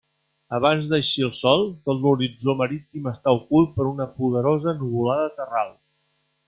Abans d'eixir el sol tot l'horitzó marítim està ocult per una poderosa nuvolada terral.